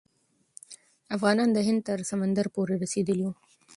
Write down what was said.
افغانان د هند تر سمندر پورې رسیدلي وو.